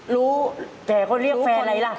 รู้แต่เขาเรียกแฟนอะไรล่ะ